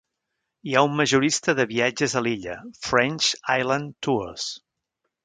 Hi ha un majorista de viatges a l'illa, French Island Tours.